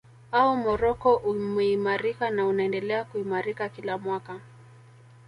Au Morocco umeimarika na unaendelea kuimarika kila mwaka